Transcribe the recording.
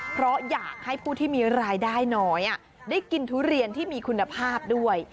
เพราะอยากให้ผู้ที่มีรายได้น้อยได้กินทุเรียนที่มีคุณภาพด้วย